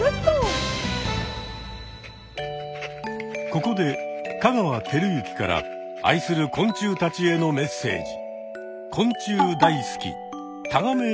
ここで香川照之から愛する昆虫たちへのメッセージ！